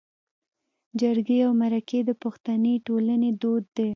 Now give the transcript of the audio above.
جرګې او مرکې د پښتني ټولنې دود دی